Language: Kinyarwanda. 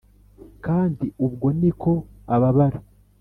kandi ubwo ni ko ababara.